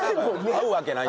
合うわけない。